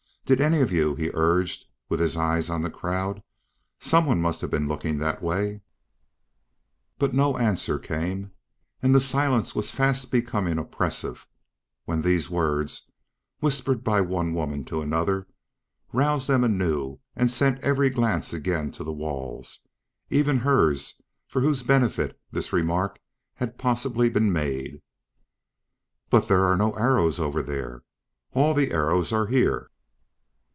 "Did any of you?" he urged, with his eyes on the crowd. "Some one must have been looking that way." But no answer came, and the silence was fast becoming oppressive when these words, whispered by one woman to another, roused them anew and sent every glance again to the walls even hers for whose benefit this remark had possibly been made: "But there are no arrows over there. All the arrows are here."